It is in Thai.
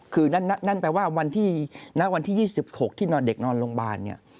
คือนั่นแปลว่าหน้าวันที่๒๖ที่เด็กนอนโรงพยาบาล